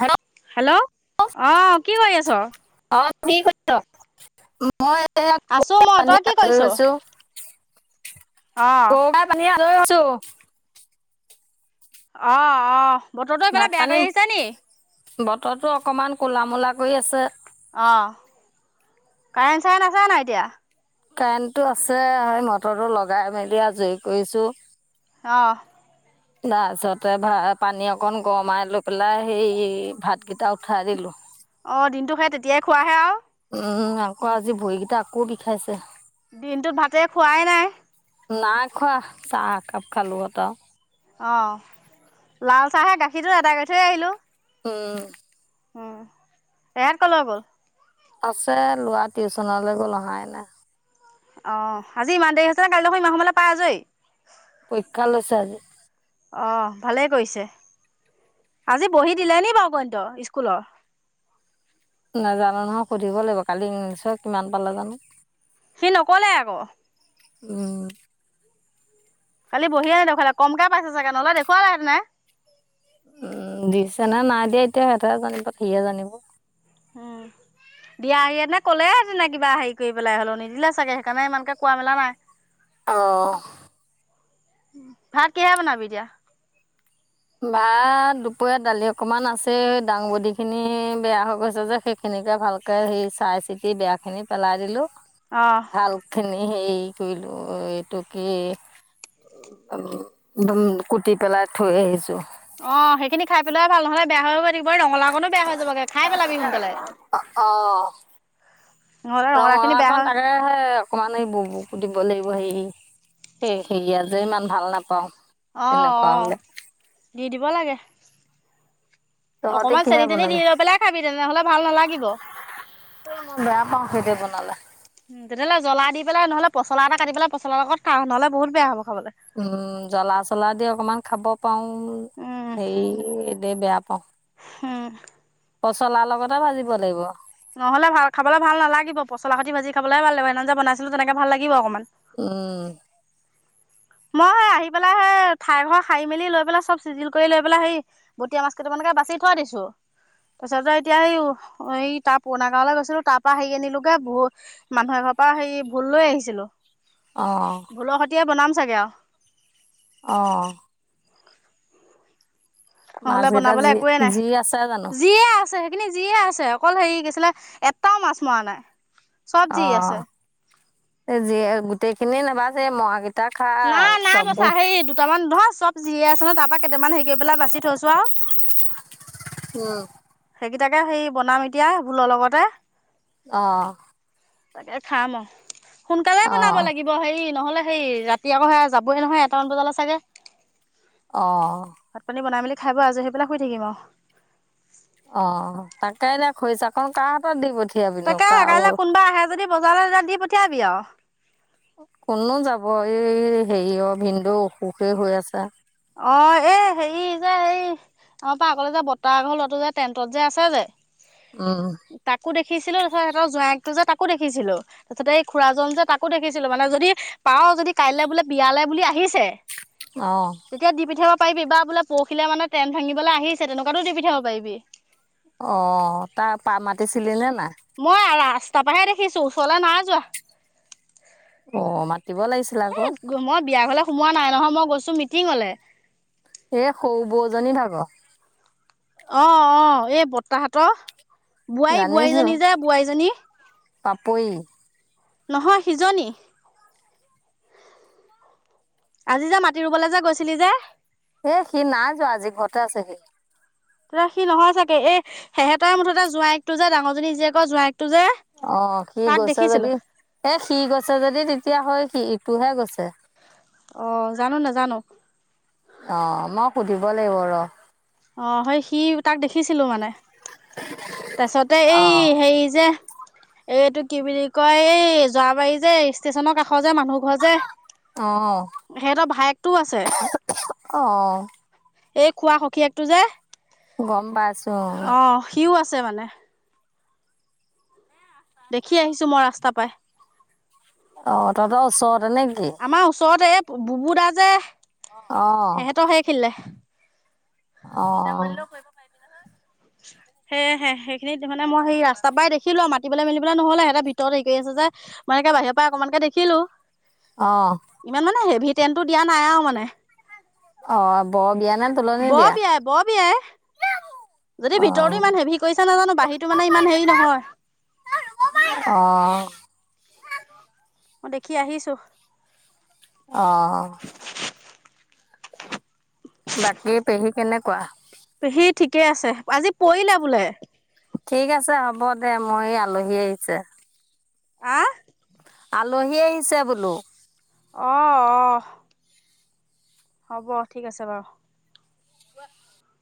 Hello. Hello অঁ কি কৰি আছ? অ [unintelligible] আছো মই তই কি কৰিছ? [unintelligible] অ গৰু গাই বান্ধি আজৰি হৈছো। অ অ। বতৰটো এইফালে ভাত বেয়া পানী, কৰি আহিছে নি? বতৰটো অকমান কলা মলা কৰি আছে। অঁ কাৰেণ্ট চাৰেণ্ট আছে নাই এতিয়া? কাৰেণ্টটো আছে হেই মটৰটো লগাই মেলি আজৰি কৰিছোঁ। অ। [inaudible] তাৰ পিছতে ভা পানী অকণ গৰমাই লৈ পেলাই সেই ভাতকেইটা উঠাই দিলো। অঁ দিনটো সেই তেতিয়াই খোৱাহে আৰু। উম আকৌ আজি ভৰিকেইটা আকৌ বিষাইছে। দিনটোত ভাতে খোৱাই নাই। নাই খোৱা চাহ একাপ খালোহঁত। অঁ লাল চাহে গাখীৰটো এদাই কৰি থৈ আহিলোঁ। উ। উ এহেত কলৈ গ'ল? আছে, লোৱা টিউচনলৈ গ'ল অহাই নাই। অ আজি ইমান দেৰি হৈছে কালি দেখোন ইমান সময়লে পায় আজৰি। পৰীক্ষা লৈছে আজি। অঁ ভালেই কৰিছে আজি বহী দিলে নি বাৰু গণিতৰ স্কুলৰ? নাজানো নহয় সুধিব লাগিব, কালি ইংলিছত কিমান পালে জানো! সি নক'লে আকৌ। উম। কালি বহিয়ে নেদেখুৱালে কমকে পাইছে চাগে, নহলে দেখুৱালে হেতেন নে। উম দিছে নে নাই দিয়ে এতিয়া সিহঁতেহে জানিব, সিহে জানিব। [inaudible] দিয়াহি হেতেন কলে হেতেন কিবা হেৰি কৰি পেলাই হলেও, নিদিলে চাগে সেইকাৰণে ইমানকে কোৱা মেলা নাই। অ। ভাত কিহেৰে বনাবি এতিয়া? বা দুপৰীয়া দালি অকমান আছে দাংবডী খিনি বেয়া হৈ গৈছে যে সেই সেখিনিকে ভালকে সেই চাই চিতি বেয়াখিনি পেলাই দিলোঁ অ' ভাল খিনি হেই কৰিলো এইটো কি [unintelligible] দম কুটি পেলাই থৈ আহিছো। অ সেইখিনি খাই পেলোৱাই ভাল নহলে বেয়া হৈ গৈ থাকিব এই ৰঙালাও কনো। বেয়া হৈ যাবাগে খাই পেলাবি সোনকালে, অঁ নহ'লে ৰঙালাও খিনি বেয়া হৈ এ হে অকমান এই বুবুক দিব লাগিব হেৰি এই হেই আ যে ইমান ভাল নাপাওঁ। অ' তেনেকুৱা হ'লে অ' দি দিব লাগে। তহঁতে অকনমান কিহে চেনি তেনি দি বনাবি? লৈ পেলাই খাবি, তেনেহলে ভাল নালাগিব। মই বেয়া পাওঁ সেইদে বনালে। তেতিয়াহলে জলা দি পেলাই নহ'লে পছলা এটা কাটি পেলাই পছলা লগত খা, নহ'লে বহুত বেয়া হব খাবলৈ। উম্ জ্বলা চলা দি অকমান খাব পাৰো। উম, হেৰি এদে বেয়া পাওঁ। ওম। পচলাৰ লগতে ভাজিব লাগিব। নহ'লে ভাল খাবলৈ ভাল নালাগিব পচলা সৈতে ভাজি খাবলৈহে ভাল লাগিব। সিদিনা খন যে বনাইছিলো তেনেকে ভাল লাগিব অকনমান। উমম্। মই সেই আহি পেলাই সেই, ঠাই ঘৰ সাৰি মেলি লৈ পেলাই চব চিজিল কৰি লৈ পেলাই হেই বটীয়া মাছ কেইটামানকে বাচি থৈ দিছো। তাৰপিছত যে এতিয়া হেই, এই তাৰ পুৰণা গাঁৱলে গৈছিলো তাৰ পৰা হেৰি আনিলোগে বৰ মানুহ এঘৰৰ পৰা হেৰি ভোল লৈ আহিছিলো। অ'। ভোলৰ সৈতে বনাম চাগৈ আৰু। অ'। নহ'লে মাছকেইটা বনাবলে যি একোৱেই নাই। যি আছে জানো? যিয়ে আছে সেই খিনি যিয়ে আছে, অকল হেৰি কি আছিলে এটাও মাছ মৰা নাই। চব যি আছে। অ' যিয়ে গোটেইখিনি নাবাচিবি মৰা কেইটা নাই, নাই বচা হেই দুটামান নহয়, চব জীয়ে আছ ন তাৰপা কেইটামান হেৰি কৰি পেলাই বাচি থৈছো আৰু। উম, সেইকেইটাকে হেই বনাম এতিয়া ভোলৰ লগতে। অ'। তাকে খাম অ'। সোনকালে বনাব অ', লাগিব হেই নহ'লে সেই ৰাত সি আকৌ সেয়া যাবই নহয়, এটামান বজালে চাগে। অ'। ভাত পানী বনাই মেলি খাই বৈ আজৰি হৈ পেলাই শুই থাকিম আৰু। অ' তাকে এতিয়া খৰিছাকন কাৰ হাতত দি পঠিয়াম। তাকেহে কাইলৈ কোনোবা আহে যদি বজাৰলৈ তেতিয়া দি পঠিয়াবি আৰু। কোননো যাব এ হেৰি অ ভিনদেউ অসুখে হৈ আছে। অ', এ হেৰি যে এই আমাৰ পৰা আগলে যে বত্তা এঘৰ লৰাটো যে টেণ্টত যে আছে যে উম। তাকো দেখিছিলো তাৰপিছত যে সিহঁতৰ জোৱাইক এক টোযে তাকো দেখিছিলো। তাৰপিছতে এই খুৰাজন যে তাকো দেখিছিলো মানে যদি পাওঁ যদি কাইলৈ বোলে বিয়ালে বুলি আহিছে। অ'। তেতিয়া দি পঠিয়াব পাৰিবি বা বোলে পৰসিলে মানে টেন্ত ভাঙিবলৈ আহিছে তেনেকুৱাতো দি পঠিয়াব পাৰিবি। অ' তাৰপা মাতিছিলি নে নাই? মই ৰা ৰাস্তাৰ পৰাহে দেখিছো, ওচৰলৈ নাই যোৱা। অ' মাতিব লাগিছিল এ আকৌ। মই বিয়া ঘৰলে সোমোৱা নাই নহয়, মই গৈছো মিটিঙলে। এ সৰু বৌজনী ভাগৰ। অ' অ' এই বৰ্তাহতৰ বোৱাৰী জানিছো বোৱাৰীজনী যে বোৱাৰীজনী। পাপৰি। নহয় সিজনি। আজি যে মাটি ৰুবলে যে গৈছিলি যে। এ সি নাই যোৱা আজি ঘৰতে আছে সি। তেতিয়া সি নহয় চাগে এ সিহঁতৰ মুঠতে ডাঙৰজনী জীয়েকৰ জোৱাইকটো যে। অ সি তাক গৈছে দেখিছিলো যদি এ সি গৈছে যদি তেতিয়া হয় সি ইটোহে গৈছে। অ' জানো নে জানো। অ' মই সুধিব লাগিব ৰ। অ' সেই সি তাক দেখিছিলো মানে। তাৰছতে অ', এই হেৰি যে। এই এইটো কি বুলি কয় এই যোৱাবাৰি যে ষ্টেচনৰ কাষৰ যে মানুহ ঘৰ। যে অ', সিহঁতৰ ভায়েকটোও আছে। অ', এই খোৱা সখীয়েটো যে। গম পাইছো। অ' সিও আছে মানে। দেখি আহিছো মই ৰাস্তা পাই। অ' তহতেৰ ওচৰৰততে নে কি। আমাৰ ওচৰতে এই বুবু দা যে অ', সিহঁতৰ সেই খিনিলে। অ', অ' সে হে সেইখিনি মানে মই সেই ৰাস্তাৰ পৰাই দেখি দেখিলো আৰু মাতিবলৈ মেলিবলৈ নহলে সিহঁতে ভিতৰত হেৰি আছে যোনে বাহিৰৰ পৰাই অকমানকে দেখিলো। অ' ইমান মানে হেভি ট্ৰেনটো দিয়া নাই আৰু মানে। অ', বৰ বিয়া নে তোলনি বৰ বিয়া? বিয়াই বৰ বিয়াই। যদি ভিতৰতো অ', ইমান হেভি কৰিছে নাজানো বাহিৰীতো মানে ইমান হেৰি নহয়। অ' মই দেখি আহিছো। অ' বাকী পেহী কেনেকুৱা। পেহী ঠিকে আছে আজি পৰিলে বোলে ঠিক আছে হ'ব দে মই আলহী আহিছে। হা আলহী আহিছে বোলো। অ' অ', হ'ব ঠিক আছে বাৰু। [inaudible]